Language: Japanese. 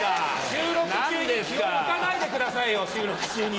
収録中に気を抜かないでくださいよ収録中に！